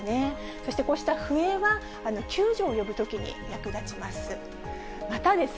そしてこうした笛は、救助を呼ぶときに役立ちます。